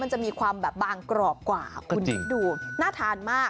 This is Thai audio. มันจะมีความบางกรอกกว่าคุณดูน่าทานมาก